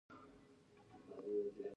په یادو دوو هېوادونو کې سرچینې کمې وې.